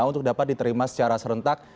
untuk dapat diterima secara serentak